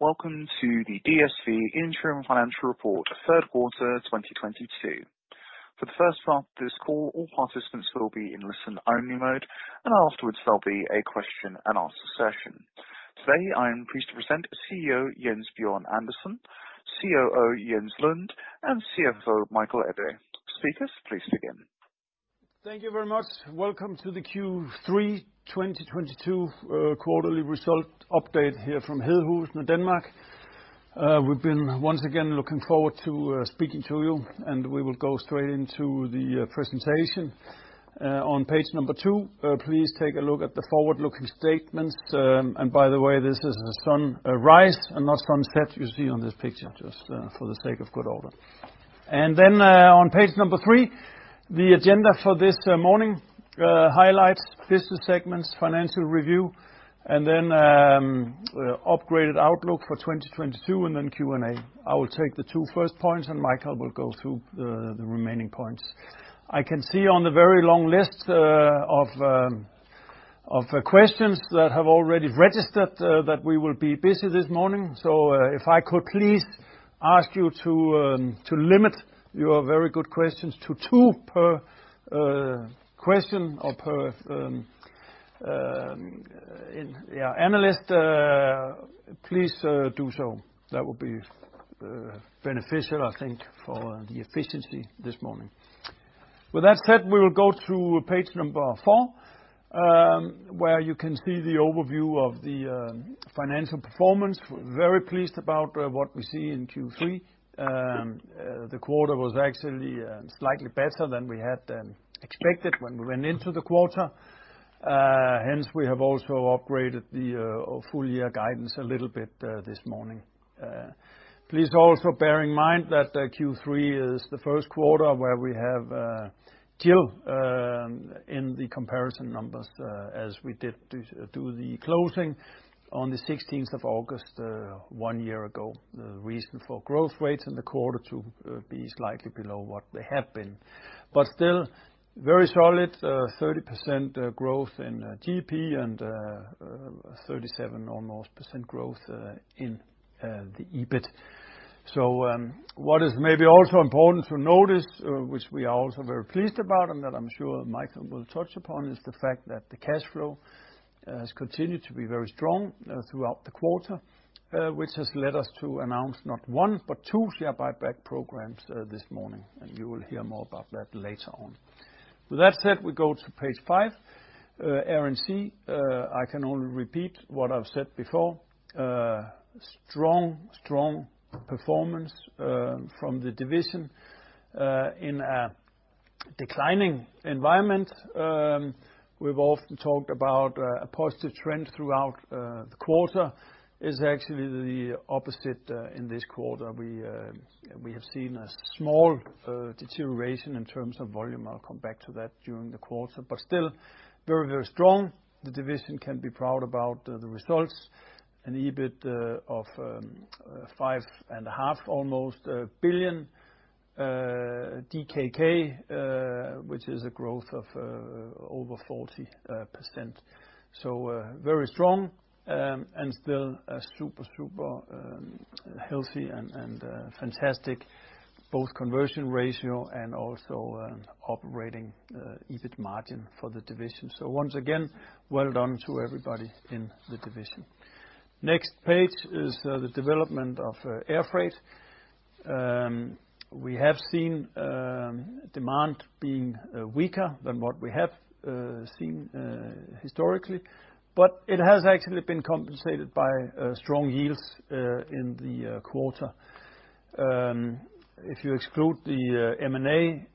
Welcome to the DSV Interim Financial Report, Q3, 2022. For the first part of this call, all participants will be in listen-only mode, and afterwards there'll be a question-and-answer session. Today, I am pleased to present CEO Jens Bjørn Andersen, COO Jens Lund, and CFO Michael Ebbe. Speakers, please begin. Thank you very much. Welcome to the Q3, 2022 quarterly results update here from Hedehusene, Denmark. We've been once again looking forward to speaking to you, and we will go straight into the presentation. On page two, please take a look at the forward-looking statements. By the way, this is a sunrise and not a sunset you see on this picture, just for the sake of good order. On page three, the agenda for this morning, highlights business segments, financial review, and then upgraded outlook for 2022, and then Q&A. I will take the first two points, and Michael will go through the remaining points. I can see on the very long list of questions that have already registered that we will be busy this morning. If I could please ask you to limit your very good questions to two per questioner or per analyst, please do so. That would be beneficial, I think, for the efficiency this morning. With that said, we will go through page number four, where you can see the overview of the financial performance. We're very pleased about what we see in Q3. The quarter was actually slightly better than we had expected when we went into the quarter, hence we have also upgraded the full year guidance a little bit this morning. Please also bear in mind that Q3 is the Q1 where we have GIL in the comparison numbers, as we did the closing on the 16th of August one year ago, the reason for growth rates in the quarter to be slightly below what they have been. Still, very solid 30% growth in GP and almost 37% growth in the EBIT. What is maybe also important to notice, which we are also very pleased about and that I'm sure Michael will touch upon, is the fact that the cash flow has continued to be very strong throughout the quarter, which has led us to announce not one, but two share buyback programs this morning, and you will hear more about that later on. With that said, we go to page five. Air & Sea, I can only repeat what I've said before. Strong performance from the division in a declining environment. We've often talked about a positive trend throughout the quarter. It's actually the opposite in this quarter. We have seen a small deterioration in terms of volume. I'll come back to that during the quarter. Still, very strong. The division can be proud about the results, an EBIT of five and a half almost billion DKK, which is a growth of over 40%. Very strong and still a super healthy and fantastic both conversion ratio and also operating EBIT margin for the division. Once again, well done to everybody in the division. Next page is the development of air freight. We have seen demand being weaker than what we have seen historically, but it has actually been compensated by strong yields in the quarter. If you exclude the M&A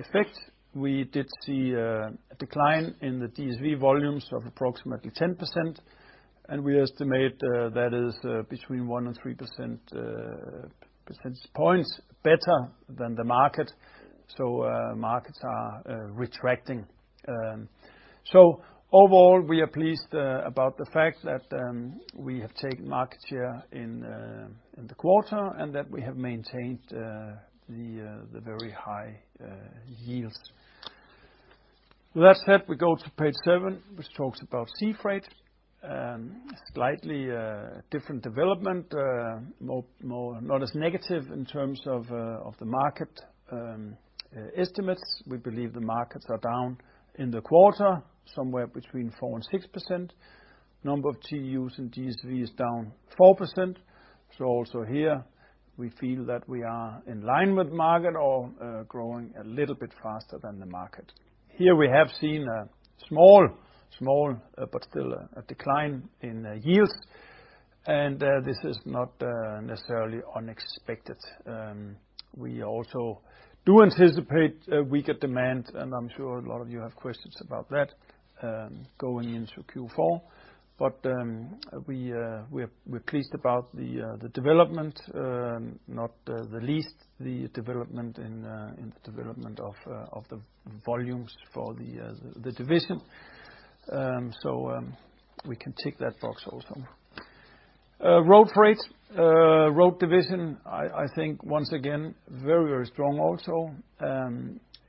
effect, we did see a decline in the DSV volumes of approximately 10%, and we estimate that is between one and three percentage points better than the market. Markets are retracting. Overall, we are pleased about the fact that we have taken market share in the quarter and that we have maintained the very high yields. With that said, we go to page seven, which talks about sea freight. Slightly different development, more not as negative in terms of the market estimates. We believe the markets are down in the quarter somewhere between 4%-6%. Number of TEUs in DSV is down 4%. Also here, we feel that we are in line with market or growing a little bit faster than the market. Here we have seen a small but still a decline in yields, and this is not necessarily unexpected. We also do anticipate a weaker demand, and I'm sure a lot of you have questions about that going into Q4. We're pleased about the development, not the least the development of the volumes for the division. We can tick that box also. Road division, I think once again, very strong also.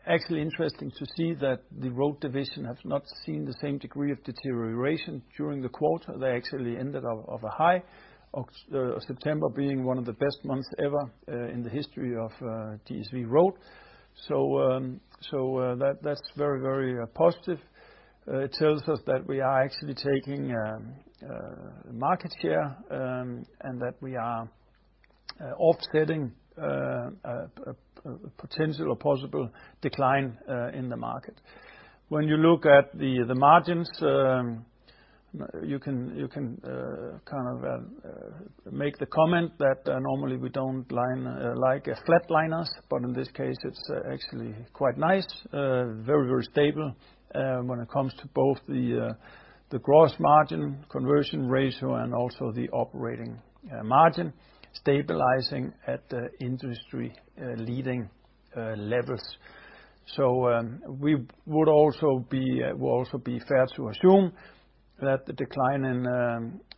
Actually interesting to see that the Road division has not seen the same degree of deterioration during the quarter. They actually ended on a high, September being one of the best months ever, in the history of DSV Road. That's very positive. It tells us that we are actually taking market share, and that we are offsetting a potential or possible decline in the market. When you look at the margins, you can kind of make the comment that normally we don't like flatliners, but in this case it's actually quite nice. Very stable when it comes to both the gross margin conversion ratio and also the operating margin stabilizing at the industry leading levels. We will also be fair to assume that the decline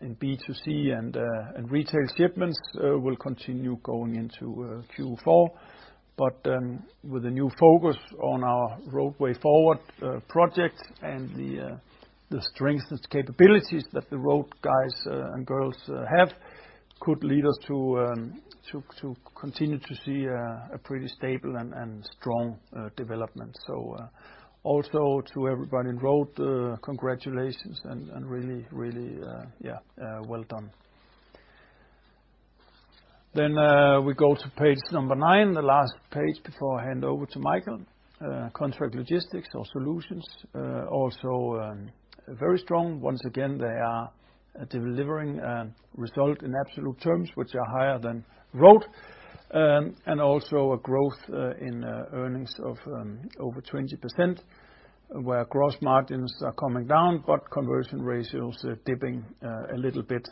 in B2C and retail shipments will continue going into Q4. With a new focus on our Road Forward project and the strengths and capabilities that the Road guys and girls have, could lead us to continue to see a pretty stable and strong development. Also to everybody in Road, congratulations and really well done. We go to page number nine, the last page before I hand over to Michael. Contract Logistics or Solutions also very strong. Once again, they are delivering a result in absolute terms which are higher than Road. Also a growth in earnings of over 20%, where gross margins are coming down, but conversion ratios are dipping a little bit.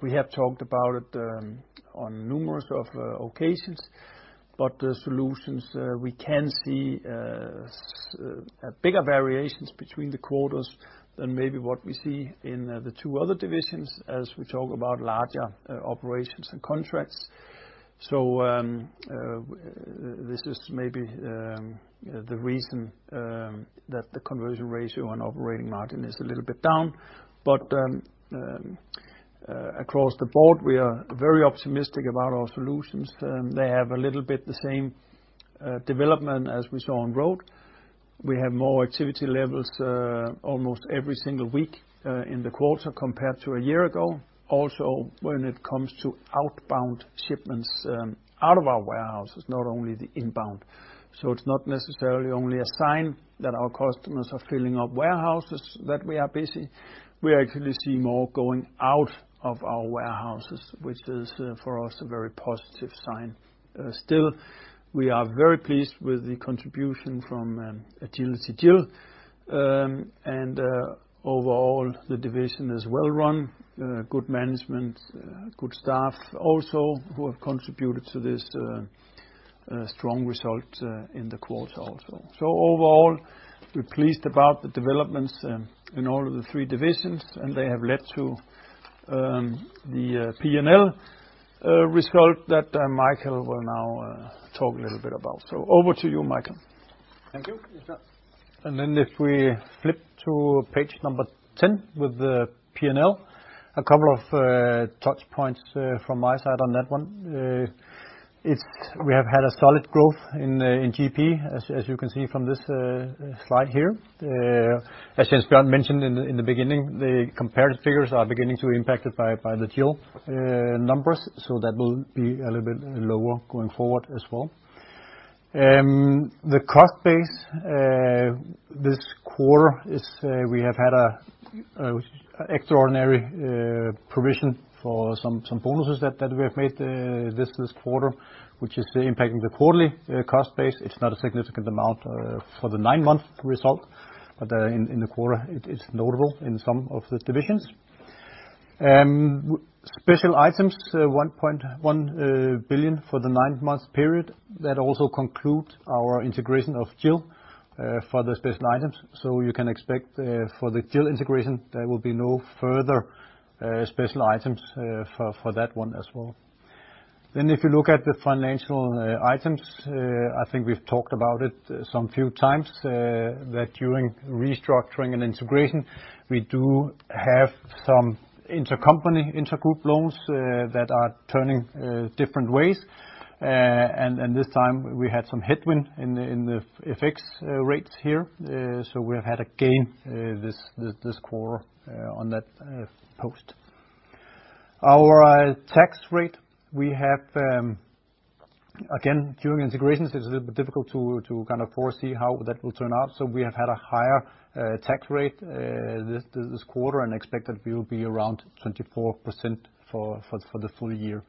We have talked about it on numerous occasions, but the Solutions we can see bigger variations between the quarters than maybe what we see in the two other divisions as we talk about larger operations and contracts. This is maybe the reason that the conversion ratio on operating margin is a little bit down. Across the board we are very optimistic about our Solutions. They have a little bit the same development as we saw on Road. We have more activity levels almost every single week in the quarter compared to a year ago. Also, when it comes to outbound shipments out of our warehouses, not only the inbound. It's not necessarily only a sign that our customers are filling up warehouses that we are busy. We actually see more going out of our warehouses, which is for us a very positive sign. Still, we are very pleased with the contribution from Agility GIL. Overall the division is well run, good management, good staff also who have contributed to this strong result in the quarter also. Overall, we're pleased about the developments in all of the three divisions, and they have led to the P&L result that Michael will now talk a little bit about. Over to you, Michael. Thank Jens Bjørn. If we flip to page 10 with the P&L, a couple of touch points from my side on that one. We have had a solid growth in GP as you can see from this slide here. Jens Bjørn mentioned in the beginning, the comparative figures are beginning to be impacted by the GIL numbers, so that will be a little bit lower going forward as well. The cost base this quarter, we have had an extraordinary provision for some bonuses that we have made this quarter, which is impacting the quarterly cost base. It's not a significant amount for the nine-month result, but in the quarter it is notable in some of the divisions. Special items, 1.1 billion for the nine-month period that also conclude our integration of GIL for the special items. You can expect for the GIL integration there will be no further special items for that one as well. If you look at the financial items, I think we've talked about it some few times that during restructuring and integration, we do have some intercompany intergroup loans that are turning different ways. This time we had some headwind in the FX rates here. We have had a gain this quarter on that post. Our tax rate, we have again during integrations it's a little bit difficult to foresee how that will turn out, so we have had a higher tax rate this quarter and expect that will be around 24% for the full year.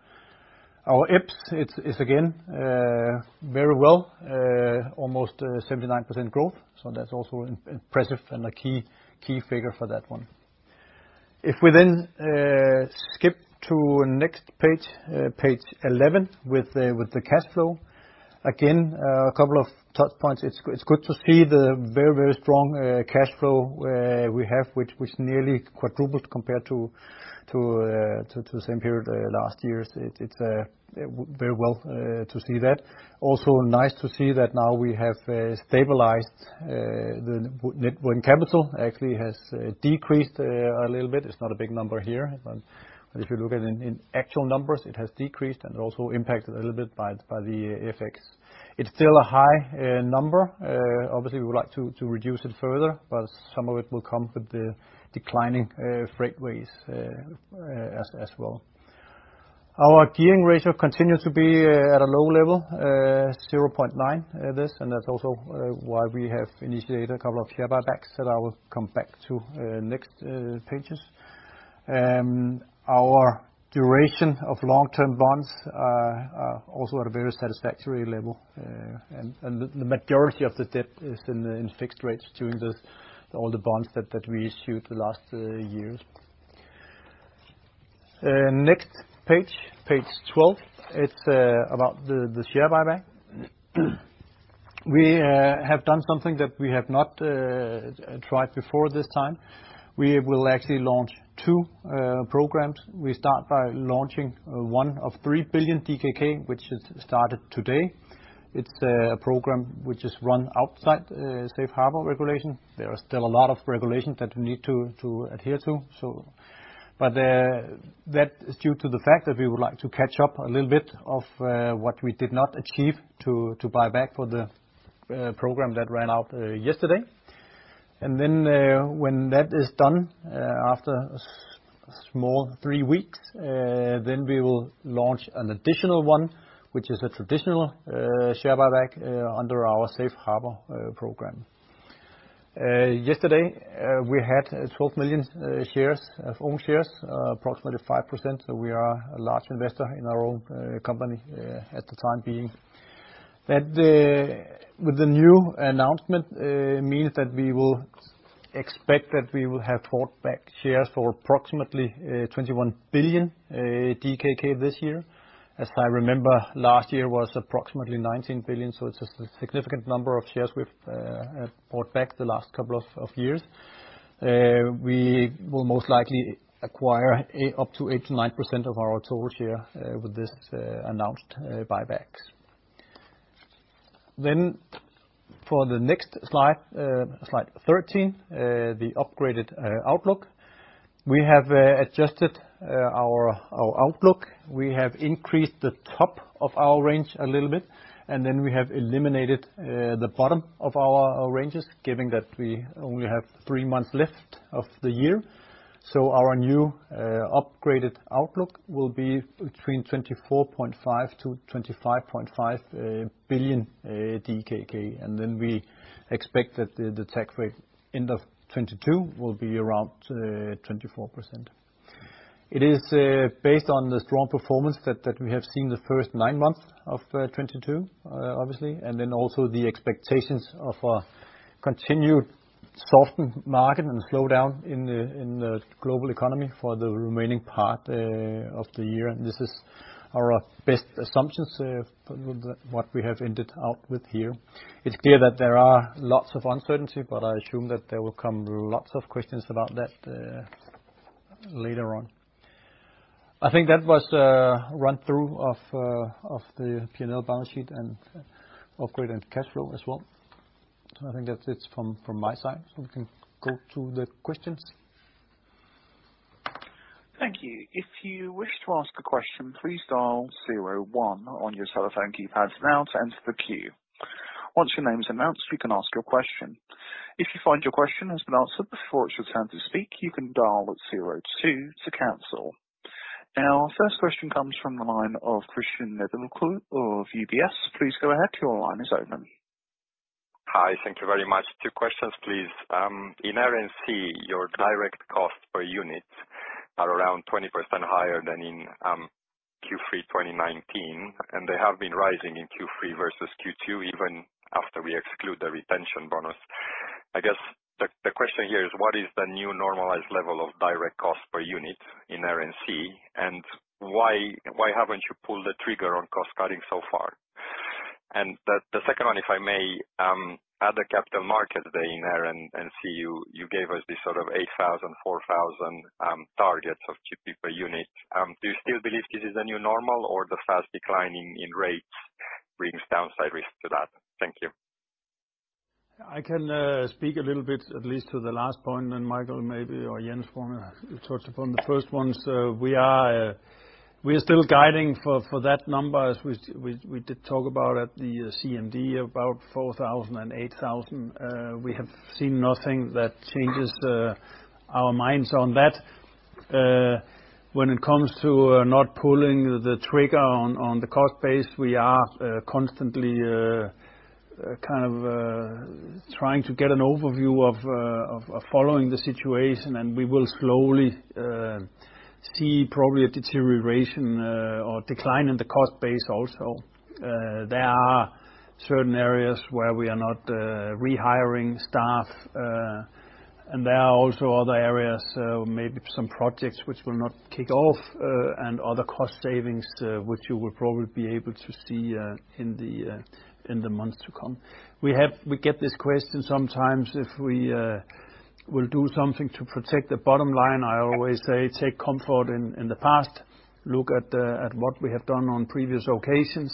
Our EPS, it's again very well almost 79% growth, so that's also impressive and a key figure for that one. If we then skip to next page 11 with the cash flow. Again, a couple of touch points. It's good to see the very strong cash flow we have, which was nearly quadrupled compared to the same period last year. It's very well to see that. Nice to see that now we have stabilized. The net working capital actually has decreased a little bit. It's not a big number here, but if you look at it in actual numbers, it has decreased and also impacted a little bit by the FX. It's still a high number. Obviously we would like to reduce it further, but some of it will come with the declining freight rates as well. Our gearing ratio continues to be at a low level, 0.9 it is, and that's also why we have initiated a couple of share buybacks that I will come back to next pages. Our duration of long-term bonds are also at a very satisfactory level, and the majority of the debt is in fixed rates during this, all the bonds that we issued the last years. Next page 12, it's about the share buyback. We have done something that we have not tried before this time. We will actually launch two programs. We start by launching one of 3 billion DKK, which has started today. It's a program which is run outside safe harbor regulation. There are still a lot of regulations that we need to adhere to, so. That is due to the fact that we would like to catch up a little bit of what we did not achieve to buy back for the program that ran out yesterday. When that is done, after small three weeks, then we will launch an additional one, which is a traditional share buyback under our safe harbor program. Yesterday we had 12 million shares of own shares, approximately 5%, so we are a large investor in our own company at the time being. That with the new announcement means that we will expect that we will have bought back shares for approximately 21 billion DKK this year. As I remember, last year was approximately 19 billion, so it's a significant number of shares we've bought back the last couple of years. We will most likely acquire up to 8%-9% of our total share with this announced buybacks. For the next slide 13, the upgraded outlook. We have adjusted our outlook. We have increased the top of our range a little bit, and then we have eliminated the bottom of our ranges, given that we only have three months left of the year. Our new upgraded outlook will be between 24.5 billion-25.5 billion DKK, and then we expect that the tax rate end of 2022 will be around 24%. It is based on the strong performance that we have seen the first nine months of 2022, obviously, and then also the expectations of a continued softened market and slowdown in the global economy for the remaining part of the year. This is our best assumptions of what we have ended up with here. It's clear that there are lots of uncertainty, but I assume that there will come lots of questions about that later on. I think that was a run-through of the P&L balance sheet and upgrade and cash flow as well. I think that's it from my side, so we can go to the questions. Thank you. If you wish to ask a question, please dial zero one on your telephone keypads now to enter the queue. Once your name is announced, you can ask your question. If you find your question has been answered before it's your turn to speak, you can dial zero two to cancel. Our first question comes from the line of Cristian Nedelcu of UBS. Please go ahead. Your line is open. Hi. Thank you very much. Two questions, please. In Air & Sea, your direct costs per unit are around 20% higher than in Q3, 2019, and they have been rising in Q3 versus Q2, even after we exclude the retention bonus. I guess the question here is what is the new normalized level of direct cost per unit in Air & Sea and why haven't you pulled the trigger on cost-cutting so far? The second one, if I may, at the Capital Markets Day in Air & Sea, you gave us this sort of 8,000, 4,000 targets of GP per unit. Do you still believe this is the new normal or the fast-declining rates brings downside risk to that? Thank you. I can speak a little bit at least to the last point, and Michael maybe or Jens wanna touch upon the first ones. We are still guiding for that number, as we did talk about at the CMD, about 4,000 and 8,000. We have seen nothing that changes our minds on that. When it comes to not pulling the trigger on the cost base, we are constantly trying to get an overview of following the situation and we will slowly. See probably a deterioration, or decline in the cost base also. There are certain areas where we are not rehiring staff, and there are also other areas, maybe some projects which will not kick off, and other cost savings which you will probably be able to see, in the months to come. We get this question sometimes, if we will do something to protect the bottom line. I always say take comfort in the past, look at what we have done on previous occasions,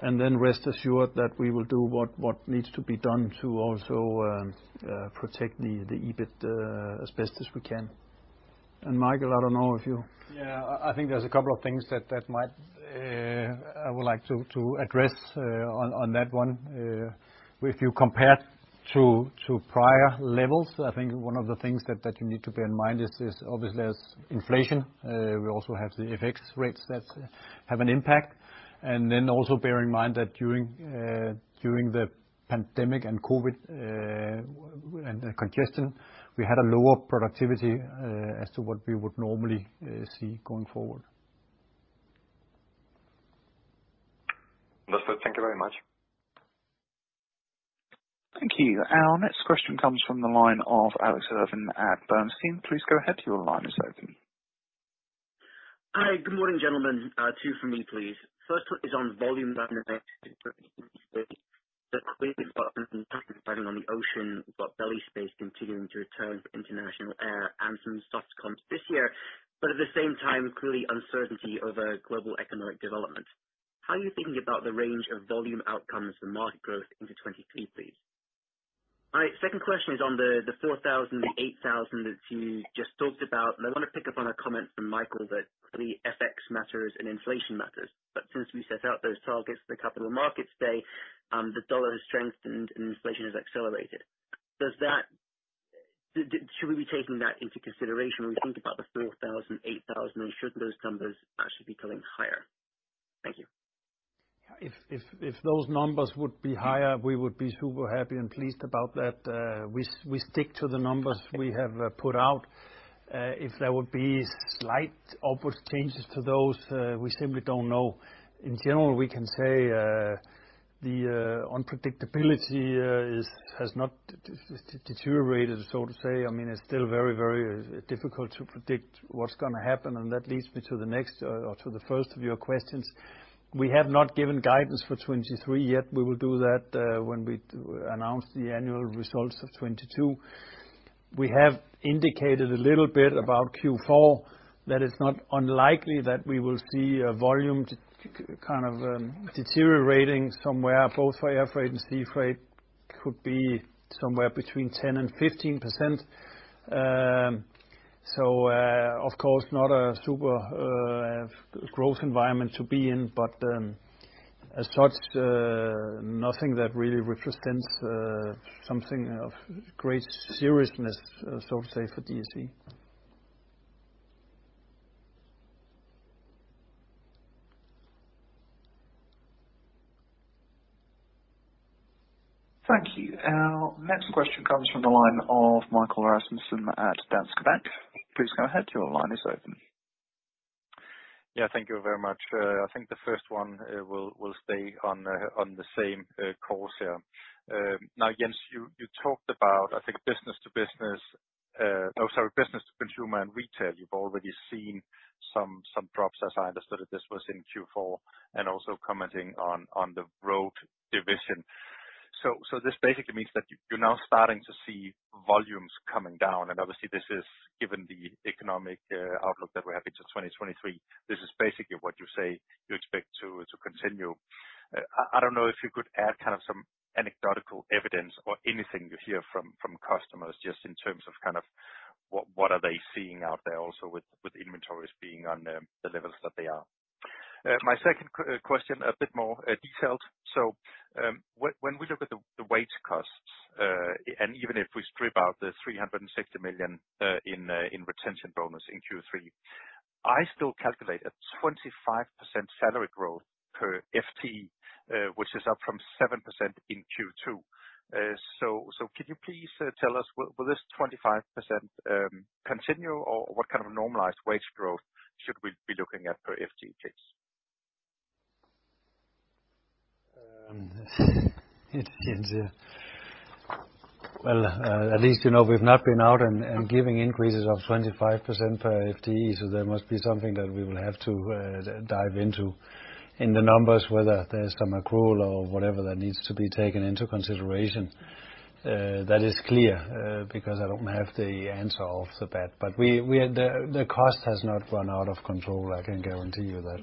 and then rest assured that we will do what needs to be done to also protect the EBIT as best as we can. Michael, I don't know if you- Yeah. I think there's a couple of things that I would like to address on that one. If you compare to prior levels, I think one of the things that you need to bear in mind is obviously there's inflation. We also have the FX rates that have an impact. Also bear in mind that during the pandemic and COVID and the congestion, we had a lower productivity as to what we would normally see going forward. Understood. Thank you very much. Thank you. Our next question comes from the line of Alex Irving at Bernstein. Please go ahead, your line is open. Hi. Good morning, gentlemen. Two from me, please. First one is on volume continuing to return for international air and some soft comps this year. At the same time, clearly uncertainty over global economic development. How are you thinking about the range of volume outcomes for market growth into 2023, please? My second question is on the 4,000 and 8,000 that you just talked about. I wanna pick up on a comment from Michael that clearly FX matters and inflation matters. Since we set out those targets at the capital markets day, the dollar has strengthened and inflation has accelerated. Does that, should we be taking that into consideration when we think about the 4,000, 8,000? Should those numbers actually be going higher? Thank you. Yeah. If those numbers would be higher, we would be super happy and pleased about that. We stick to the numbers we have put out. If there would be slight upward changes to those, we simply don't know. In general, we can say the unpredictability has not deteriorated, so to say. I mean, it's still very, very difficult to predict what's gonna happen, and that leads me to the next, or to the first of your questions. We have not given guidance for 2023 yet. We will do that when we announce the annual results of 2022. We have indicated a little bit about Q4, that it's not unlikely that we will see a volume kind of deteriorating somewhere, both for air freight and sea freight. Could be somewhere between 10% and 15%. Of course, not a super growth environment to be in, but as such, nothing that really represents something of great seriousness, so to say, for DSV. Thank you. Our next question comes from the line of Michael Rasmussen at Danske Bank. Please go ahead, your line is open. Yeah. Thank you very much. I think the first one will stay on the same course here. Now, Jens, you talked about, I think, Business-to-business. No, sorry, business to consumer and retail. You've already seen some drops. As I understood it, this was in Q4, and also commenting on the road division. This basically means that you're now starting to see volumes coming down, and obviously this is given the economic outlook that we have into 2023. This is basically what you say you expect to continue. I don't know if you could add kind of some anecdotal evidence or anything you hear from customers, just in terms of kind of what are they seeing out there also with inventories being on the levels that they are. My second question, a bit more detailed. When we look at the wage costs, and even if we strip out the 360 million in retention bonus in Q3, I still calculate a 25% salary growth per FTE, which is up from 7% in Q2. Could you please tell us, will this 25% continue, or what kind of normalized wage growth should we be looking at per FTE, please? At least you know we've not been out and giving increases of 25% per FTE, so there must be something that we will have to dive into in the numbers, whether there's some accrual or whatever that needs to be taken into consideration. That is clear, because I don't have the answer off the bat. The cost has not run out of control, I can guarantee you that.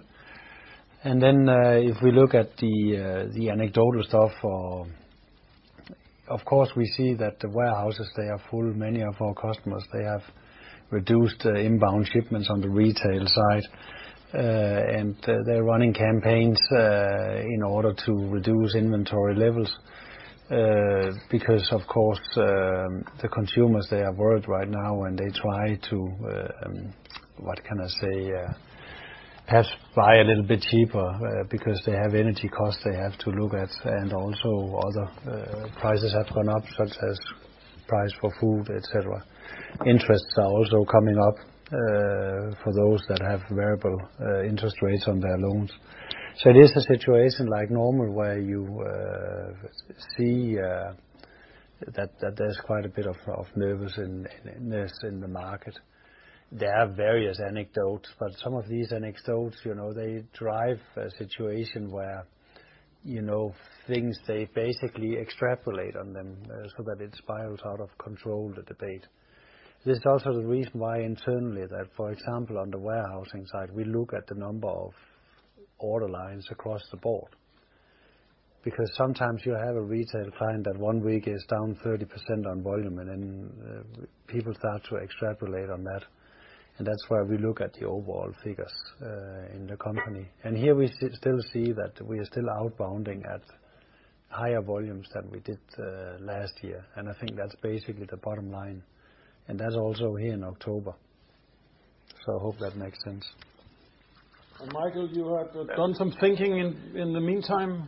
If we look at the anecdotal stuff, of course, we see that the warehouses, they are full. Many of our customers, they have reduced inbound shipments on the retail side, and they're running campaigns in order to reduce inventory levels. Because of course, the consumers, they are worried right now, and they try to what can I say? Perhaps buy a little bit cheaper, because they have energy costs they have to look at, and also other prices have gone up, such as price for food, et cetera. Interests are also coming up, for those that have variable interest rates on their loans. It is a situation like normal where you see that there's quite a bit of nervousness in the market. There are various anecdotes, but some of these anecdotes, you know, they drive a situation where, you know, things, they basically extrapolate on them, so that it spirals out of control, the debate. This is also the reason why internally that, for example, on the warehousing side, we look at the number of order lines across the board, because sometimes you have a retail client that one week is down 30% on volume, and then, people start to extrapolate on that. That's why we look at the overall figures in the company. Here we still see that we are still outbounding at higher volumes than we did last year. I think that's basically the bottom line, and that's also here in October. I hope that makes sense. Michael, you have done some thinking in the meantime?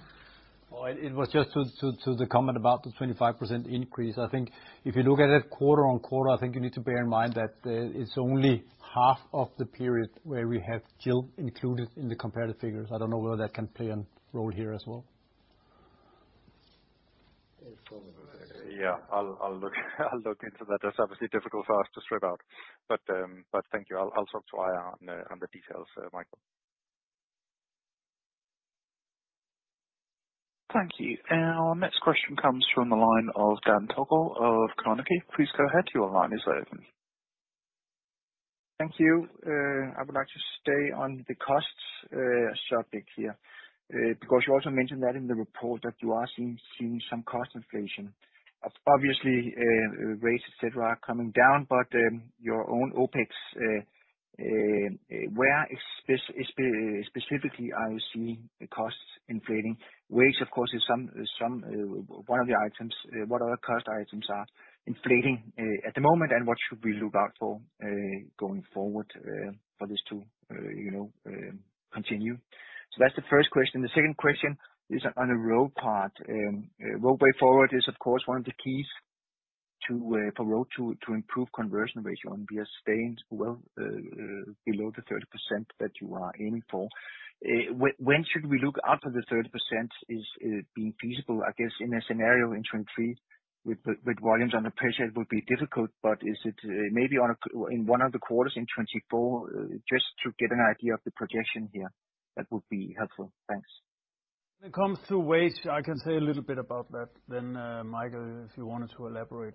Well, it was just to the comment about the 25% increase. I think if you look at it quarter-on-quarter, I think you need to bear in mind that it's only half of the period where we have GIL included in the comparative figures. I don't know whether that can play a role here as well. Yeah. I'll look into that. That's obviously difficult for us to strip out. Thank you. I'll talk to IR on the details, Michael. Thank you. Our next question comes from the line of Dan Togo of Carnegie. Please go ahead, your line is open. Thank you. I would like to stay on the costs subject here, because you also mentioned that in the report that you are seeing some cost inflation. Obviously, rates, et cetera, are coming down, but your own OpEx, where specifically are you seeing the costs inflating? Wages, of course, is one of the items. What other cost items are inflating at the moment, and what should we look out for going forward for this to continue? That's the first question. The second question is on the Road part. Road Forward is of course one of the keys to for Road to improve conversion ratio and be sustained well below the 30% that you are aiming for. When should we look after the 30% is being feasible? I guess in a scenario in 2023 with volumes under pressure, it would be difficult. Is it maybe in one of the quarters in 2024, just to get an idea of the projection here? That would be helpful. Thanks. When it comes to wage, I can say a little bit about that then, Michael, if you wanted to elaborate.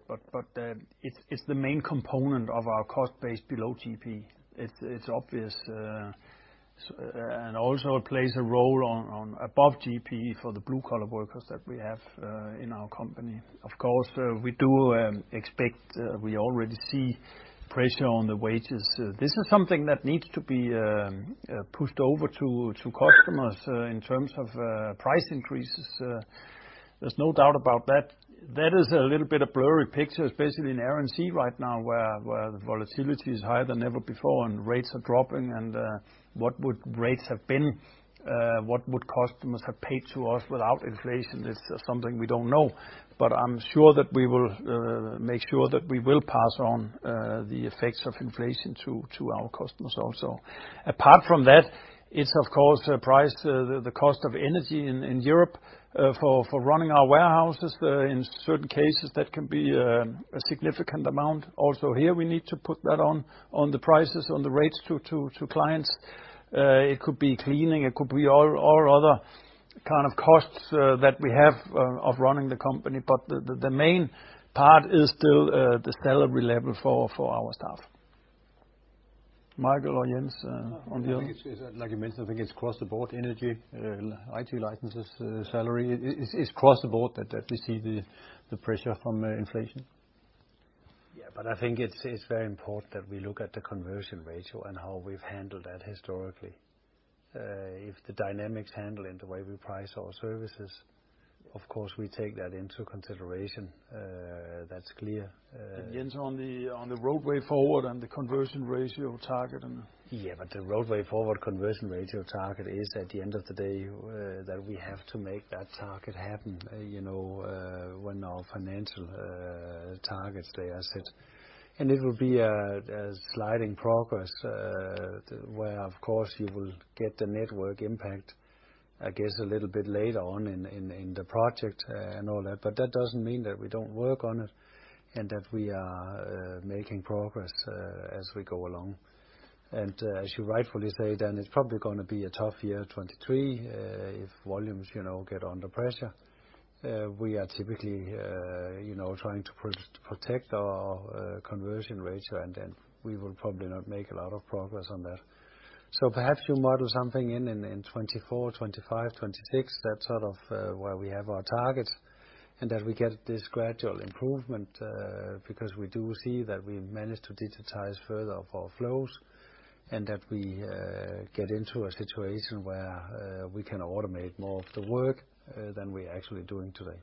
It's the main component of our cost base below GP. It's obvious. Also it plays a role on above GP for the blue collar workers that we have in our company. Of course, we do expect, we already see pressure on the wages. This is something that needs to be pushed over to customers in terms of price increases. There's no doubt about that. That is a little bit of blurry picture, especially in R&C right now, where the volatility is higher than ever before and rates are dropping. What would rates have been? What would customers have paid to us without inflation is something we don't know. I'm sure that we will make sure that we will pass on the effects of inflation to our customers also. Apart from that, it's of the course price, the cost of energy in Europe for running our warehouses. In certain cases, that can be a significant amount. Also here we need to put that on the prices, on the rates to clients. It could be cleaning, it could be all other kind of costs that we have of running the company. The main part is still the salary level for our staff. Michael or Jens, on the other- Like you mentioned, I think it's across the board, energy, IT licenses, salary. It's across the board that we see the pressure from inflation. Yeah. I think it's very important that we look at the conversion ratio and how we've handled that historically. If the dynamics handling the way we price our services, of course, we take that into consideration. That's clear. Jens, on the Road Forward and the conversion ratio target and- Yeah. The Road Forward conversion ratio target is, at the end of the day, that we have to make that target happen, you know, when our financial targets, they are set. It will be a sliding progress, where of course you will get the network impact, I guess, a little bit later on in the project and all that. That doesn't mean that we don't work on it and that we are making progress as we go along. As you rightfully say, Dan, it's probably gonna be a tough year, 2023, if volumes, you know, get under pressure. We are typically, you know, trying to protect our conversion ratio, and then we will probably not make a lot of progress on that. Perhaps you model something in 2024, 2025, 2026, that's sort of where we have our target, and that we get this gradual improvement, because we do see that we manage to digitize further of our flows and that we get into a situation where we can automate more of the work than we're actually doing today.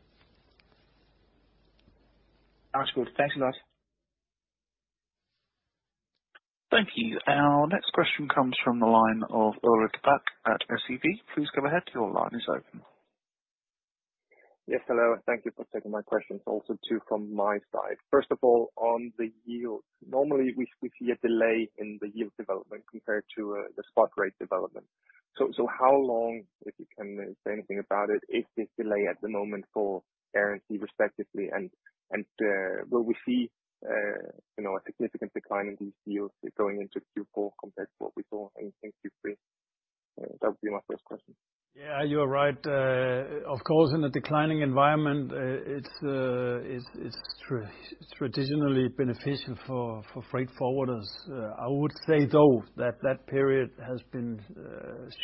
That's good. Thanks a lot. Thank you. Our next question comes from the line of Ulrik Bak at SEB. Please go ahead. Your line is open. Yes, hello, thank you for taking my questions also too from my side. First of all, on the yield. Normally, we see a delay in the yield development compared to the spot rate development. How long, if you can say anything about it, is this delay at the moment for air and sea respectively, and will we see a significant decline in these yields going into Q4 compared to what we saw in Q3? That would be my first question. Yeah, you are right. Of course, in a declining environment, it's traditionally beneficial for freight forwarders. I would say, though, that period has been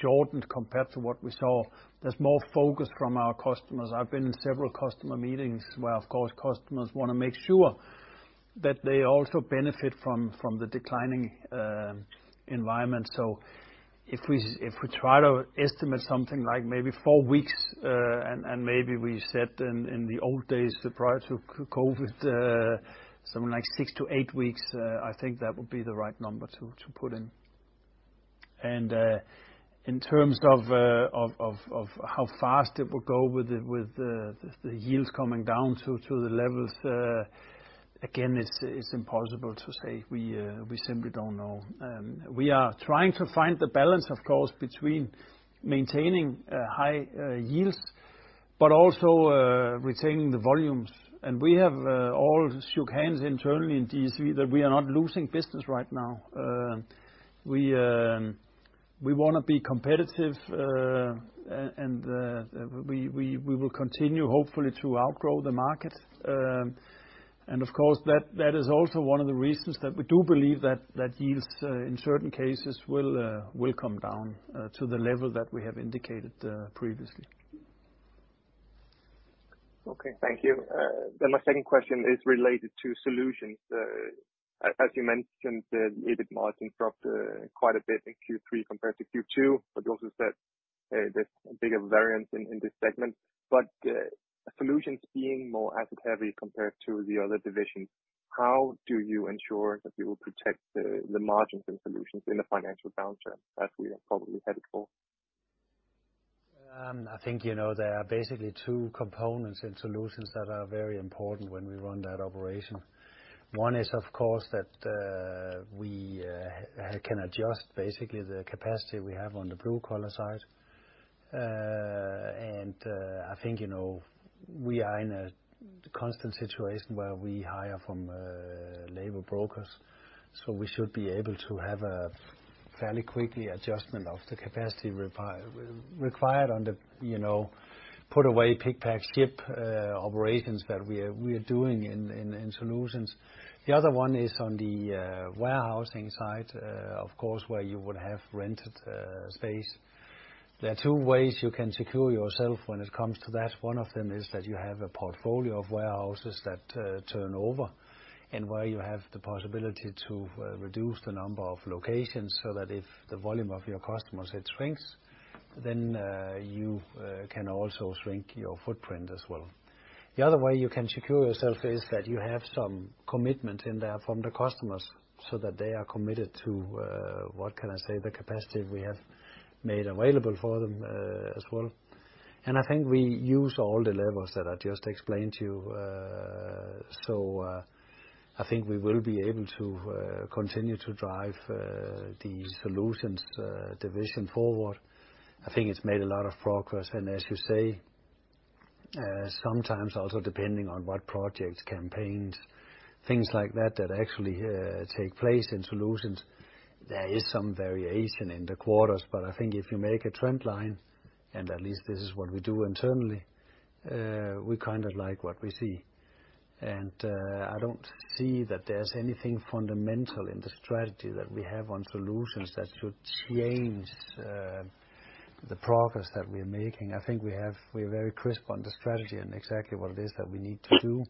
shortened compared to what we saw. There's more focus from our customers. I've been in several customer meetings where, of course, customers wanna make sure that they also benefit from the declining environment. If we try to estimate something like maybe four weeks, and maybe we said in the old days, prior to COVID, something like six to eight weeks, I think that would be the right number to put in. In terms of how fast it will go with the yields coming down to the levels, again, it's impossible to say. We simply don't know. We are trying to find the balance, of course, between maintaining high yields, but also retaining the volumes. We have all shook hands internally in DSV that we are not losing business right now. We wanna be competitive. We will continue hopefully to outgrow the market. Of course that is also one of the reasons that we do believe that yields in certain cases will come down to the level that we have indicated previously. Okay. Thank you. My second question is related to Solutions. As you mentioned, the EBIT margin dropped quite a bit in Q3 compared to Q2, but you also said, there's a bigger variance in this segment. Solutions being more asset-heavy compared to the other divisions, how do you ensure that you will protect the margins and Solutions in a financial downturn, as we are probably headed for? I think you know there are basically two components in Solutions that are very important when we run that operation. One is, of course, that we can adjust basically the capacity we have on the blue-collar side. I think you know we are in a constant situation where we hire from labor brokers, so we should be able to have a fairly quick adjustment of the capacity required on the, you know, put away, pick, pack, ship operations that we are doing in Solutions. The other one is on the warehousing side, of course, where you would have rented space. There are two ways you can secure yourself when it comes to that. One of them is that you have a portfolio of warehouses that turn over and where you have the possibility to reduce the number of locations, so that if the volume of your customers it shrinks, then you can also shrink your footprint as well. The other way you can secure yourself is that you have some commitment in there from the customers so that they are committed to what can I say, the capacity we have made available for them as well. I think we use all the levels that I just explained to you. I think we will be able to continue to drive the Solutions division forward. I think it's made a lot of progress and as you say, sometimes also depending on what projects, campaigns, things like that that actually take place in Solutions, there is some variation in the quarters. I think if you make a trend line, and at least this is what we do internally, we kind of like what we see. I don't see that there's anything fundamental in the strategy that we have on Solutions that should change the progress that we're making. We're very crisp on the strategy and exactly what it is that we need to do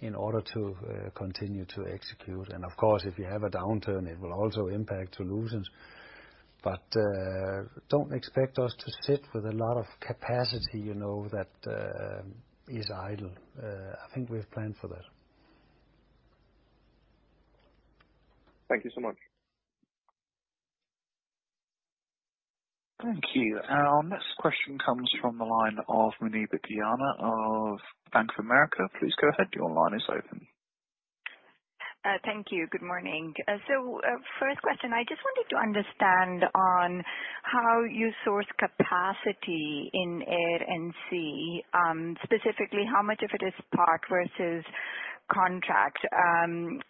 in order to continue to execute. Of course, if you have a downturn, it will also impact Solutions. Don't expect us to sit with a lot of capacity, you know, that is idle. I think we've planned for that. Thank you so much. Thank you. Our next question comes from the line of Muneeba Kayani of Bank of America. Please go ahead. Your line is open. Thank you. Good morning. First question, I just wanted to understand on how you source capacity in air and sea, specifically how much of it is spot versus contract. Like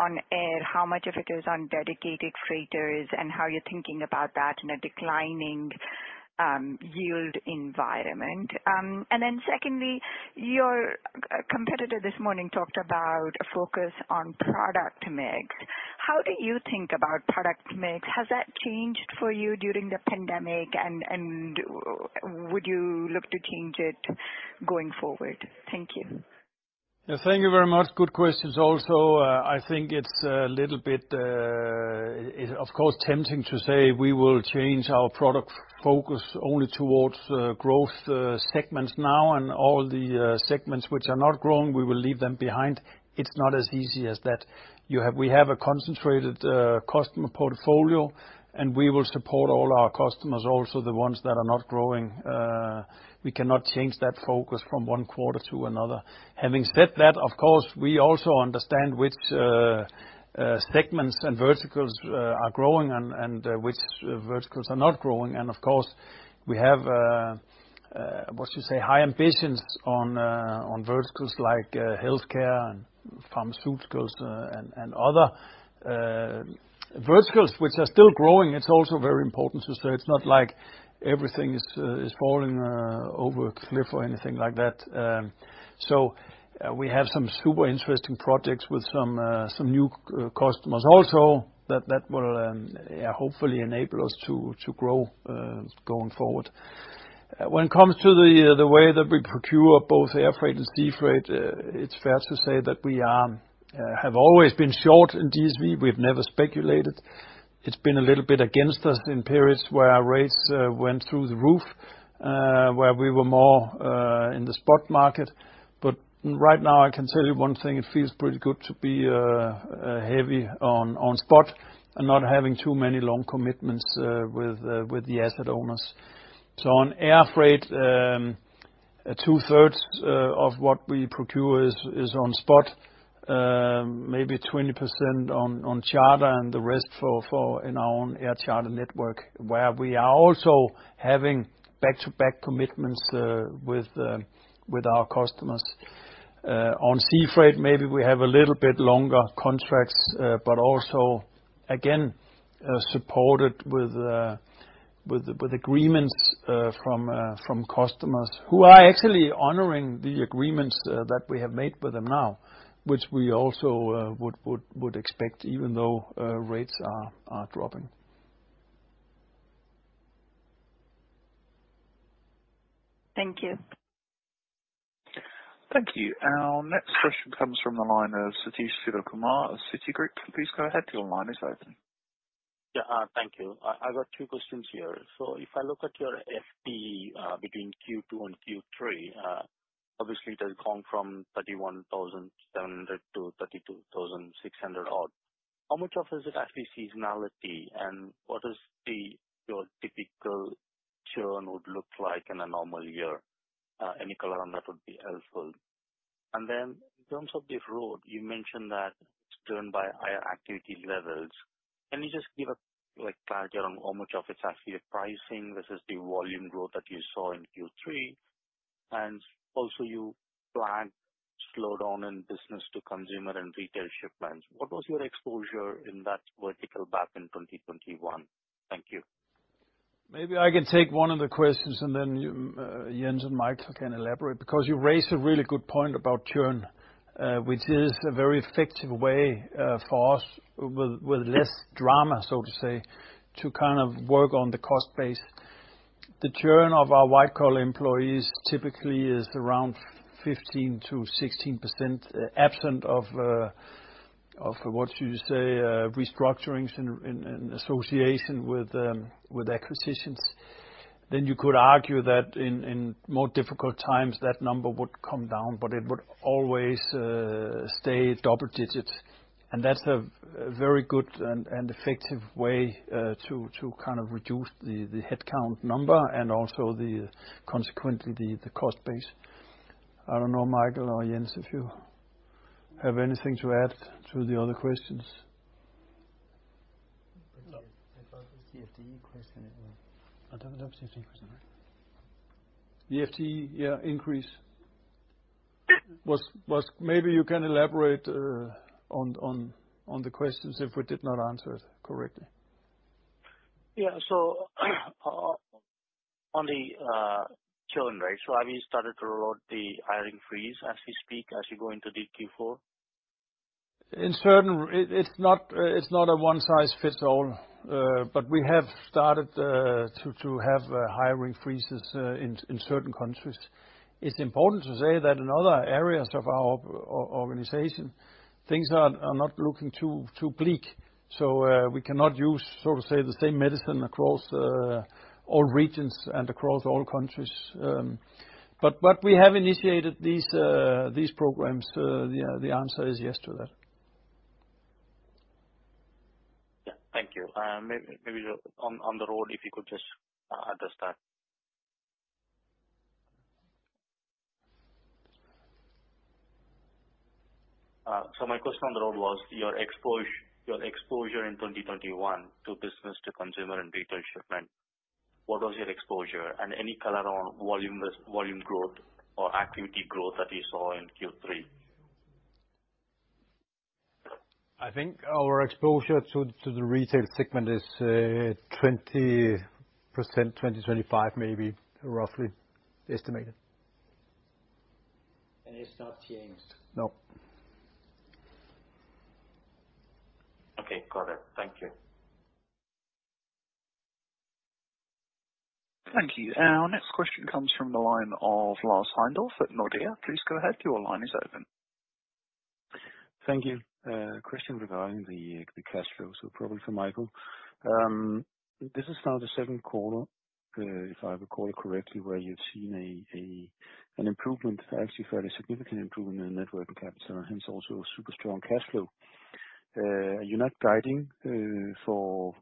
on air, how much of it is on dedicated freighters and how you're thinking about that in a declining yield environment. Secondly, your competitor this morning talked about a focus on product mix. How do you think about product mix? Has that changed for you during the pandemic, and would you look to change it going forward? Thank you. Yeah, thank you very much. Good questions, also. I think it's a little bit, of course, tempting to say we will change our product focus only towards growth segments now and all the segments which are not growing, we will leave them behind. It's not as easy as that. We have a concentrated customer portfolio, and we will support all our customers, also the ones that are not growing. We cannot change that focus from one quarter to another. Having said that, of course, we also understand which segments and verticals are growing and which verticals are not growing. Of course, we have what you say, high ambitions on verticals like healthcare and pharmaceuticals, and other verticals which are still growing. It's also very important to say it's not like everything is falling over a cliff or anything like that. We have some super interesting projects with some new customers also that will hopefully enable us to grow going forward. When it comes to the way that we procure both air freight and sea freight, it's fair to say that we have always been short in DSV. We've never speculated. It's been a little bit against us in periods where our rates went through the roof, where we were more in the spot market. Right now, I can tell you one thing, it feels pretty good to be heavy on spot and not having too many long commitments with the asset owners. On air freight, two-thirds of what we procure is on spot, maybe 20% on charter and the rest in our own air charter network, where we are also having back-to-back commitments with our customers. On sea freight, maybe we have a little bit longer contracts, but also, again, supported with agreements from customers who are actually honoring the agreements that we have made with them now, which we also would expect even though rates are dropping. Thank you. Thank you. Our next question comes from the line of Sathish Sivakumar of Citigroup. Please go ahead. Your line is open. Yeah. Thank you. I got two questions here. If I look at your FTE between Q2 and Q3, obviously it has gone from 31,700 to 32,600 odd. How much of it is actually seasonality, and what is your typical churn like in a normal year? Any color on that would be helpful. In terms of the Road, you mentioned that it's driven by higher activity levels. Can you just give, like, clarity on how much of it's actually the pricing versus the volume growth that you saw in Q3? Also you flagged slowdown in business-to-consumer and retail shipments. What was your exposure in that vertical back in 2021? Thank you. Maybe I can take one of the questions and then, Jens and Michael can elaborate, because you raise a really good point about churn, which is a very effective way, for us with less drama, so to say, to work on the cost base. The churn of our white-collar employees typically is around 15%-16%, absent of what you say, restructurings in association with acquisitions. Then you could argue that in more difficult times, that number would come down, but it would always stay double digits. That's a very good and effective way to reduce the headcount number and also consequently the cost base. I don't know, Michael or Jens, if you have anything to add to the other questions. No. I thought it was the FTE question anyway. I don't have FTE question. The FTE, yeah, increase. Maybe you can elaborate on the questions if we did not answer it correctly. Yeah. On the churn rate. Have you started to roll out the hiring freeze as we speak, as you go into the Q4? It's not a one-size-fits-all, but we have started to have hiring freezes in certain countries. It's important to say that in other areas of our organization, things are not looking too bleak, so we cannot use, so to say, the same medicine across all regions and across all countries. We have initiated these programs. The answer is yes to that. Yeah. Thank you. Maybe just on the Road, if you could just address that. My question on the Road was your exposure in 2021 to business to consumer and retail shipment, what was your exposure? Any color on volume growth or activity growth that you saw in Q3. I think our exposure to the retail segment is 20%, 2025, maybe, roughly estimated. It's not changed? No. Okay. Got it. Thank you. Thank you. Our next question comes from the line of Lars Heindorff at Nordea. Please go ahead, your line is open. Thank you. A question regarding the cash flows, so probably for Michael. This is now the Q2, if I recall correctly, where you've seen an improvement, actually fairly significant improvement in net working capital, hence also super strong cash flow. You're not guiding for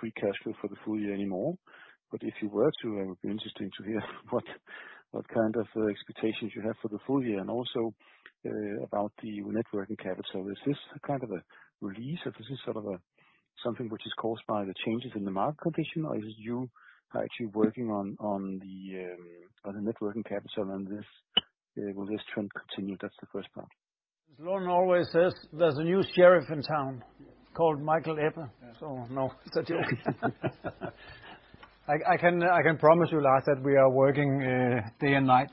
free cash flow for the full year anymore. If you were to, it would be interesting to hear what kind of expectations you have for the full year and also about the net working capital. Is this kind of a release or this is sort of something which is caused by the changes in the market condition, or are you actually working on the net working capital and will this trend continue? That's the first part. As Jens Lund always says, there's a new sheriff in town called Michael Ebbe. Yeah. No, it's a joke. I can promise you, Lars, that we are working day and night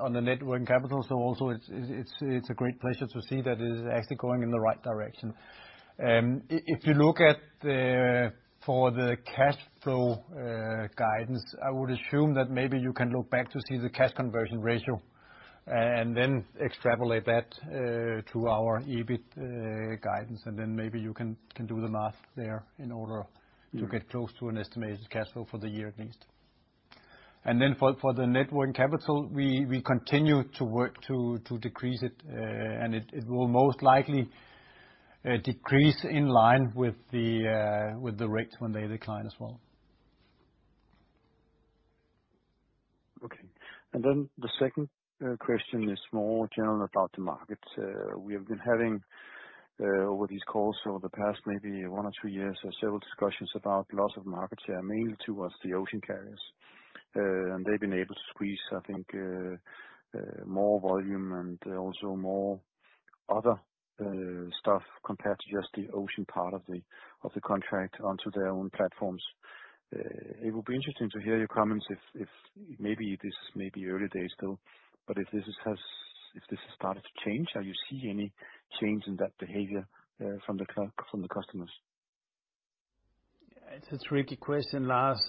on the net working capital. Also it's a great pleasure to see that it is actually going in the right direction. If you look at the cash flow guidance, I would assume that maybe you can look back to see the cash conversion ratio and then extrapolate that to our EBIT guidance, and then maybe you can do the math there in order to get close to an estimated cash flow for the year at least. For the net working capital, we continue to work to decrease it. It will most likely decrease in line with the rates when they decline as well. Okay. The second question is more general about the market. We have been having over these calls for the past maybe one or two years, several discussions about loss of market share, mainly towards the ocean carriers. Have they been able to squeeze, I think, more volume and also more other stuff compared to just the ocean part of the contract onto their own platforms. It will be interesting to hear your comments if maybe this may be early days still, but if this has started to change. Are you seeing any change in that behavior from the customers? It's a tricky question, Lars.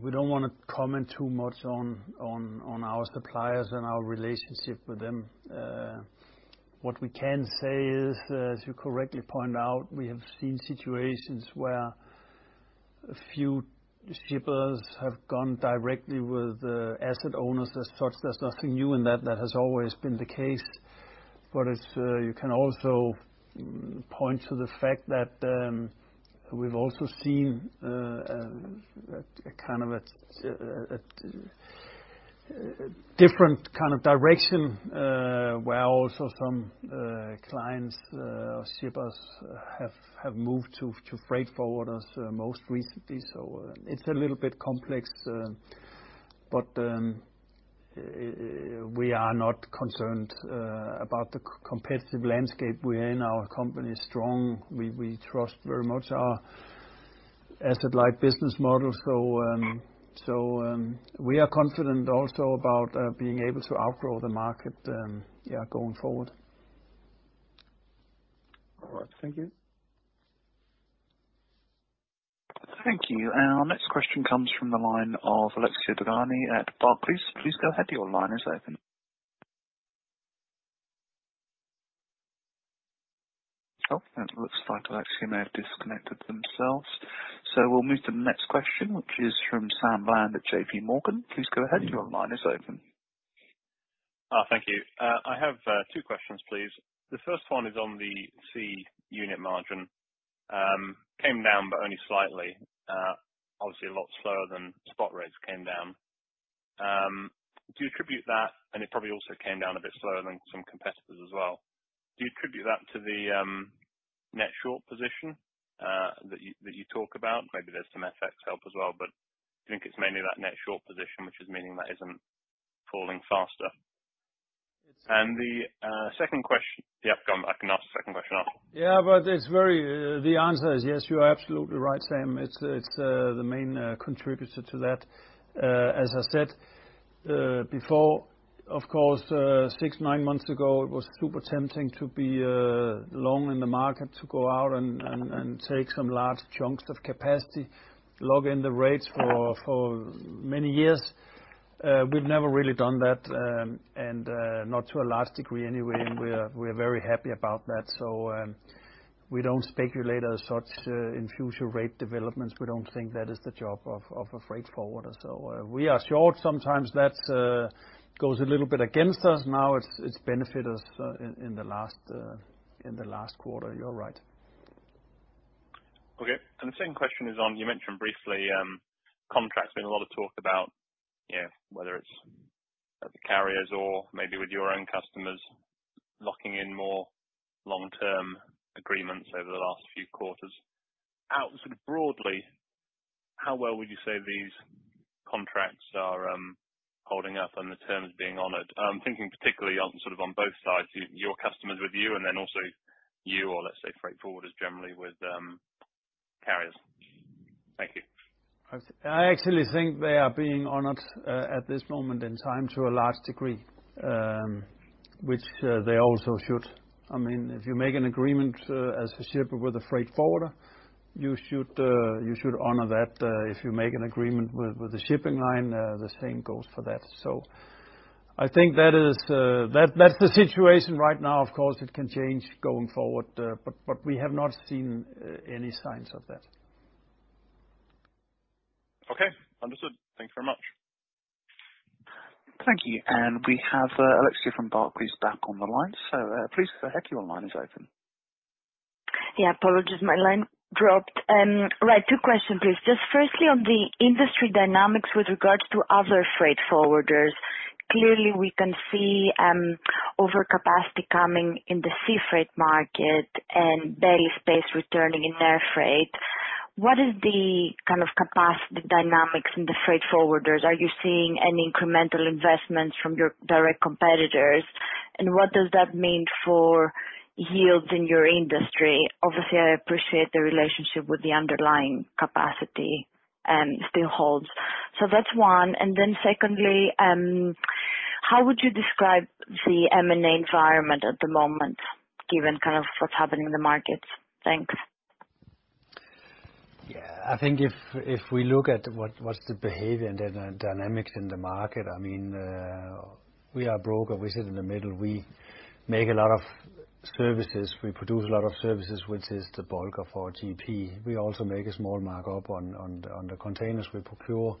We don't wanna comment too much on our suppliers and our relationship with them. What we can say is, as you correctly point out, we have seen situations where a few shippers have gone directly with asset owners. As such, there's nothing new in that. That has always been the case. It's you can also point to the fact that, we've also seen a different kind of direction, where also some clients or shippers have moved to freight forwarders most recently. It's a little bit complex. We are not concerned about the competitive landscape we're in. Our company is strong. We trust very much our asset-light business model. We are confident also about being able to outgrow the market, yeah, going forward. All right. Thank you. Thank you. Our next question comes from the line of Alexia Dogani at Barclays. Please go ahead. Your line is open. It looks like Alexia may have disconnected themselves. We'll move to the next question, which is from Sam Bland at JP Morgan. Please go ahead. Your line is open. Thank you. I have two questions, please. The first one is on the Sea unit margin. It came down, but only slightly. Obviously a lot slower than spot rates came down. It probably also came down a bit slower than some competitors as well. Do you attribute that to the net short position that you talk about? Maybe there's some FX help as well, but do you think it's mainly that net short position which is meaning that isn't falling faster? It is. The second question. Yeah, I can ask the second question after. The answer is yes, you are absolutely right, Sam. It's the main contributor to that. As I said before, of course, six, nine months ago, it was super tempting to be long in the market, to go out and take some large chunks of capacity, lock in the rates for many years. We've never really done that, and not to a large degree anyway, and we're very happy about that. We don't speculate as such in future rate developments. We don't think that is the job of a freight forwarder. We are short sometimes. That goes a little bit against us now. It's benefited us in the last quarter. You're right. Okay. The second question is on, you mentioned briefly, contracts. There's been a lot of talk about, you know, whether it's at the carriers or maybe with your own customers locking in more long-term agreements over the last few quarters. How, sort of broadly, how well would you say these contracts are, holding up and the terms being honored? I'm thinking particularly on, sort of on both sides, your customers with you, and then also you or let's say freight forwarders generally with, carriers. Thank you. I actually think they are being honored at this moment in time to a large degree, which they also should. I mean, if you make an agreement as a shipper with a freight forwarder, you should honor that. If you make an agreement with a shipping line, the same goes for that. I think that's the situation right now. Of course, it can change going forward, but we have not seen any signs of that. Okay. Understood. Thank you very much. Thank you. We have Alexia from Barclays back on the line. Please go ahead, your line is open. Yeah, apologies, my line dropped. Right. Two questions, please. Just firstly, on the industry dynamics with regards to other freight forwarders, clearly we can see, overcapacity coming in the sea freight market and Belly space returning in air freight. What is the capacity dynamics in the freight forwarders? Are you seeing any incremental investments from your direct competitors? And what does that mean for yields in your industry? Obviously, I appreciate the relationship with the underlying capacity, and still holds. That's one. Then secondly, how would you describe the M&A environment at the moment, given kind of what's happening in the markets? Thanks. Yeah. I think if we look at what's the behavior and dynamics in the market, I mean, we are a broker, we sit in the middle. We make a lot of services, we produce a lot of services, which is the bulk of our GP. We also make a small mark-up on the containers we procure.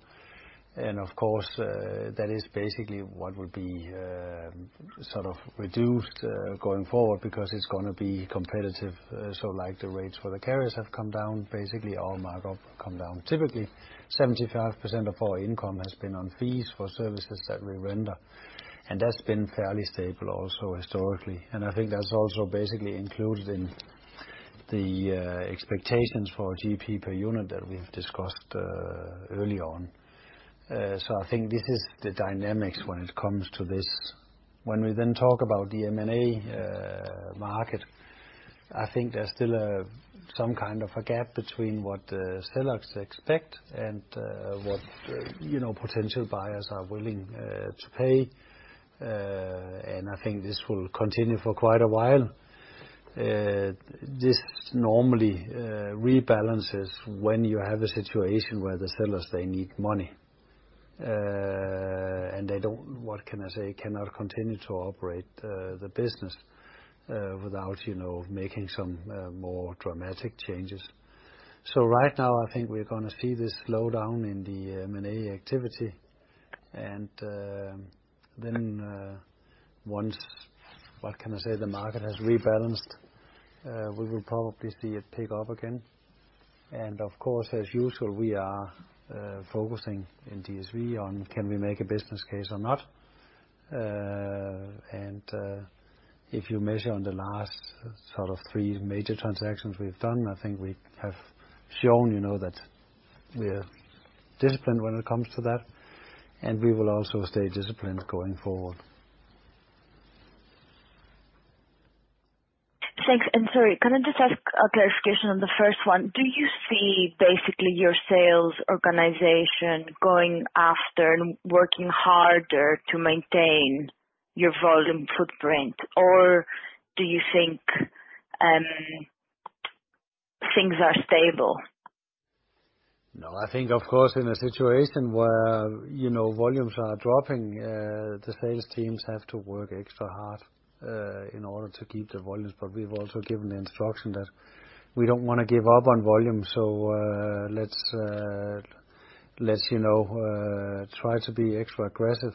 Of course, that is basically what would be sort of reduced going forward because it's gonna be competitive. Like the rates for the carriers have come down, basically our mark-up come down. Typically, 75% of our income has been on fees for services that we render, and that's been fairly stable also historically. I think that's also basically included in the expectations for GP per unit that we've discussed early on. I think this is the dynamics when it comes to this. When we then talk about the M&A market, I think there's still some gap between what sellers expect and what you know, potential buyers are willing to pay. I think this will continue for quite a while. This normally rebalances when you have a situation where the sellers they need money and they cannot continue to operate the business without you know, making some more dramatic changes. Right now, I think we're gonna see this slow down in the M&A activity. Once, what can I say, the market has rebalanced, we will probably see it pick up again. Of course, as usual, we are focusing in DSV on can we make a business case or not. If you measure on the last three major transactions we've done, I think we have shown that we're disciplined when it comes to that, and we will also stay disciplined going forward. Thanks. Sorry, can I just ask a clarification on the first one? Do you see basically your sales organization going after and working harder to maintain your volume footprint? Or do you think, things are stable? No, I think of course in a situation where, you know, volumes are dropping, the sales teams have to work extra hard, in order to keep the volumes. We've also given the instruction that we don't wanna give up on volume, so, let's, you know, try to be extra aggressive,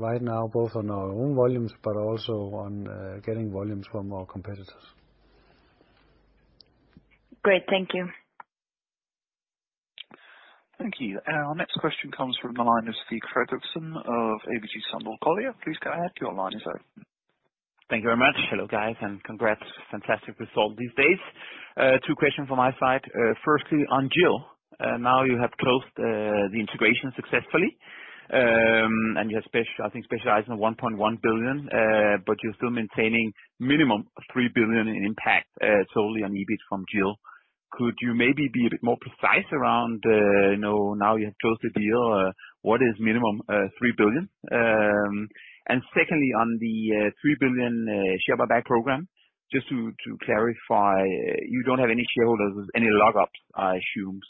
right now, both on our own volumes, but also on getting volumes from our competitors. Great. Thank you. Thank you. Our next question comes from the line of Mikkel Kousgaard Rasmussen of ABG Sundal Collier. Please go ahead, your line is open. Thank you very much. Hello, guys, and congrats. Fantastic result these days. Two questions on my side. Firstly, on GIL. Now you have closed the integration successfully, and you have specified 1.1 billion, but you're still maintaining minimum of 3 billion in impact, solely on EBIT from GIL. Could you maybe be a bit more precise around, you know, now you have closed the deal, what is minimum 3 billion? And secondly, on the 3 billion share buyback program, just to clarify, you don't have any shareholders with any lockups, I assume.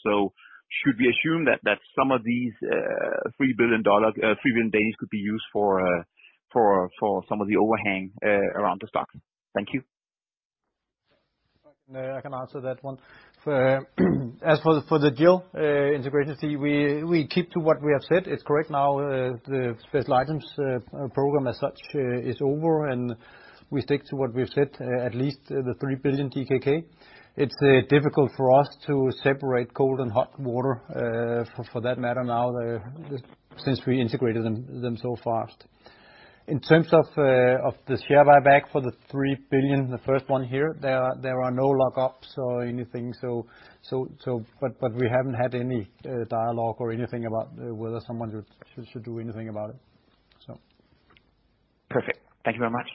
Should we assume that some of these DKK 3 billion could be used for some of the overhang around the stock? Thank you. I can answer that one. As for the GIL integration fee, we keep to what we have said. It's correct now, the special items program as such is over, and we stick to what we've said, at least 3 billion DKK. It's difficult for us to separate cold and hot water, for that matter now, since we integrated them so fast. In terms of the share buyback for the three billion, the first one here, there are no lockups or anything. But we haven't had any dialogue or anything about whether someone should do anything about it, so. Perfect. Thank you very much.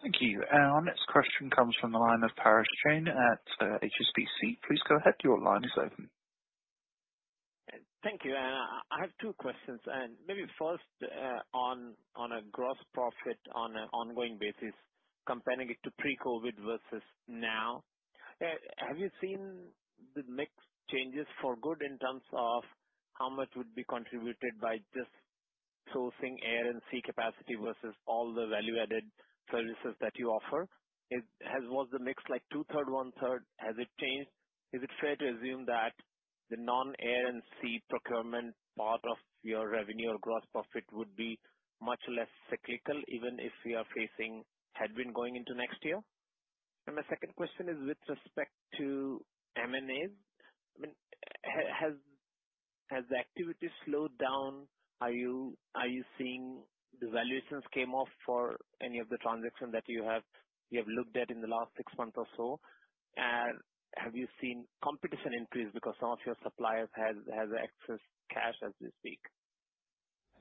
Thank you. Our next question comes from the line of Parash Jain at HSBC. Please go ahead, your line is open. Thank you. I have two questions, and maybe first, on a gross profit on an ongoing basis, comparing it to pre-COVID versus now. Yeah, have you seen the mix changes for good in terms of how much would be contributed by just sourcing air and sea capacity, versus all the value-added services that you offer? Was the mix like two-third, one-third? Has it changed? Is it fair to assume that the non-air and sea procurement part of your revenue or gross profit would be much less cyclical, even if we are facing headwind going into next year? My second question is with respect to M&As. I mean, has the activity slowed down? Are you seeing the valuations came off for any of the transactions that you have looked at in the last six months or so? Have you seen competition increase because some of your suppliers has excess cash as we speak?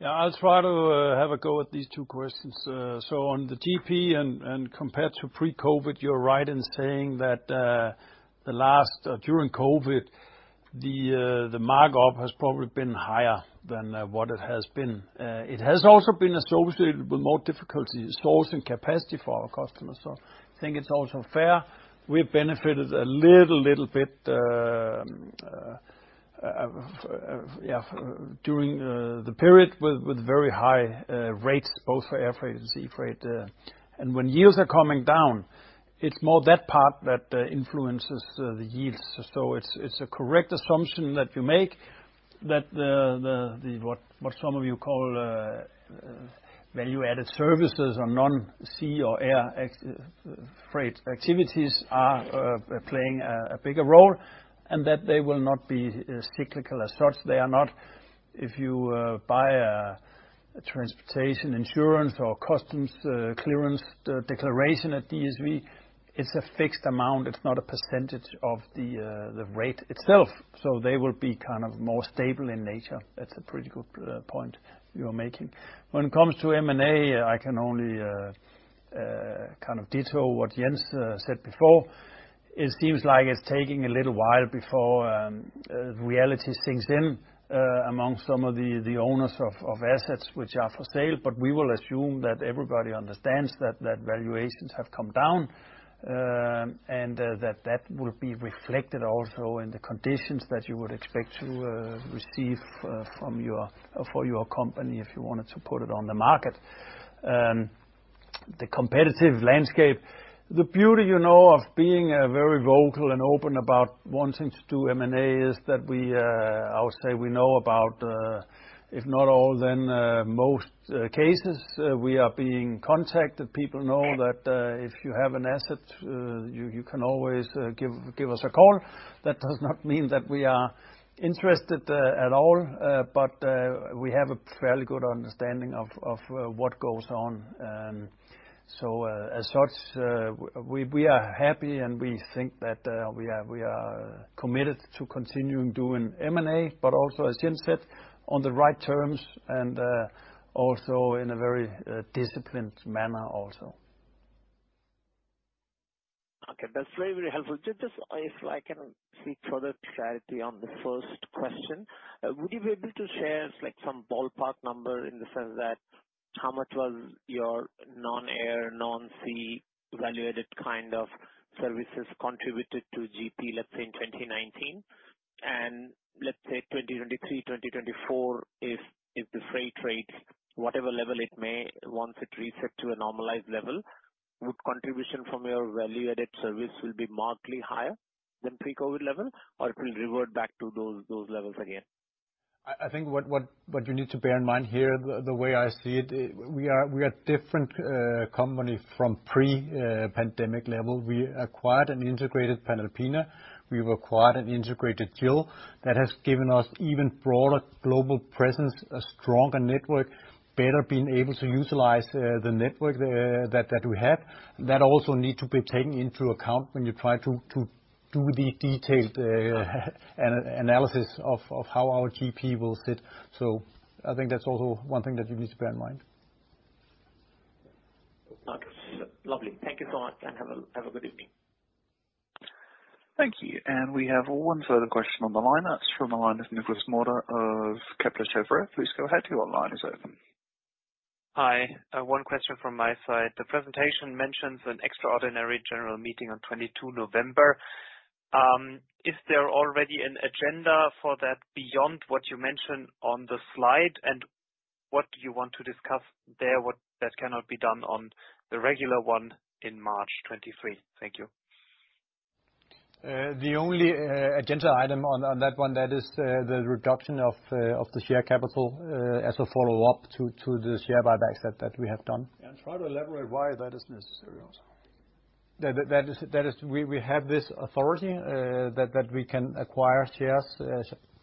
Yeah, I'll try to have a go at these two questions. So, on the GP and compared to pre-COVID, you're right in saying that during COVID, the mark-up has probably been higher than what it has been. It has also been associated with more difficulty sourcing capacity for our customers, so I think it's also fair. We've benefited a little bit during the period with very high rates, both for air freight and sea freight. When yields are coming down, it's more that part that influences the yields. It's a correct assumption that you make that what some of you call value-added services or non-sea or air freight activities are playing a bigger role, and that they will not be as cyclical as such. They are not. If you buy a transportation insurance or customs clearance declaration at DSV, it's a fixed amount. It's not a percentage of the rate itself, so they will be kind of more stable in nature. That's a pretty good point you are making. When it comes to M&A, I can only kind of ditto what Jens said before. It seems like it's taking a little while before reality sinks in among some of the owners of assets which are for sale. We will assume that everybody understands that valuations have come down and that will be reflected also in the conditions that you would expect to receive from your or for your company if you wanted to put it on the market. The competitive landscape. The beauty, you know, of being very vocal and open about wanting to do M&A is that I would say we know about if not all then most cases. We are being contacted. People know that if you have an asset you can always give us a call. That does not mean that we are interested at all but we have a fairly good understanding of what goes on. As such, we are happy, and we think that we are committed to continuing doing M&A. Also, as Jens said, on the right terms and also in a very disciplined manner also. Okay. That's very, very helpful. Just if I can seek further clarity on the first question. Would you be able to share like some ballpark number in the sense that how much was your non-air, non-sea value-added kind of services contributed to GP, let's say, in 2019? Let's say 2023, 2024, if the freight rate, whatever level it may, once it resets to a normalized level, would contribution from your value-added service will be markedly higher than pre-COVID level, or it will revert back to those levels again? I think what you need to bear in mind here, the way I see it, we are different company from pre-pandemic level. We acquired an integrated Panalpina. We've acquired an integrated GIL. That has given us even broader global presence, a stronger network, better being able to utilize the network that we have. That also need to be taken into account when you try to do the detailed analysis of how our GP will sit. I think that's also one thing that you need to bear in mind. Okay. Lovely. Thank you so much, and have a good evening. Thank you. We have one further question on the line. That's from the line of Nikolas Mauder of Kepler Cheuvreux. Please go ahead, your line is open. Hi. One question from my side. The presentation mentions an extraordinary general meeting on 22 November. Is there already an agenda for that beyond what you mentioned on the slide, and what do you want to discuss there that cannot be done on the regular one in March 2023? Thank you. The only agenda item on that one is the reduction of the share capital as a follow-up to the share buybacks that we have done. Try to elaborate why that is necessary also. That is. We have this authority that we can acquire shares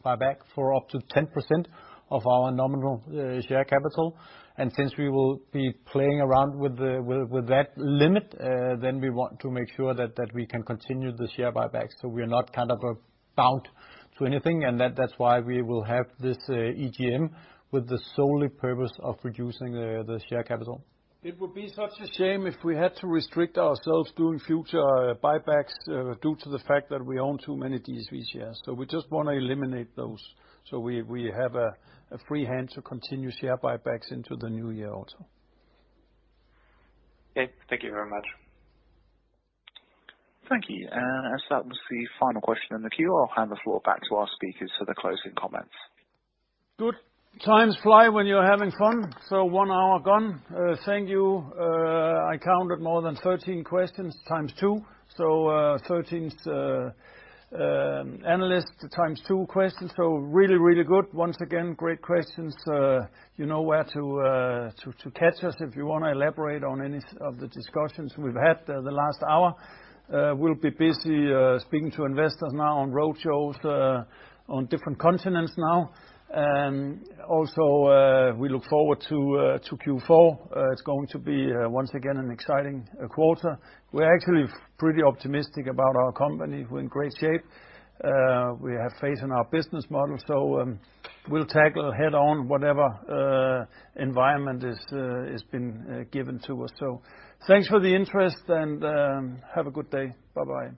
buyback for up to 10% of our nominal share capital. Since we will be playing around with that limit, then we want to make sure that we can continue the share buybacks, so we're not bound to anything. That's why we will have this EGM with the sole purpose of reducing the share capital. It would be such a shame if we had to restrict ourselves doing future buybacks due to the fact that we own too many DSV shares. We just wanna eliminate those, so we have a free hand to continue share buybacks into the new year also. Okay. Thank you very much. Thank you. As that was the final question in the queue, I'll hand the floor back to our speakers for the closing comments. Good. Time flies when you're having fun, one hour gone. Thank you. I counted more than 13 questions times two. 13 analysts times two questions. Really, really good. Once again, great questions. You know where to catch us if you wanna elaborate on any of the discussions we've had the last hour. We'll be busy speaking to investors now on roadshows on different continents now. Also, we look forward to Q4. It's going to be once again an exciting quarter. We're actually pretty optimistic about our company. We're in great shape. We have faith in our business model. We'll tackle head-on whatever environment has been given to us. Thanks for the interest, and have a good day. Bye-bye.